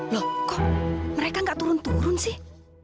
loh kok mereka gak turun turun sih